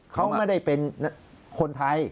เขาไม่ได้เป็นคนไทย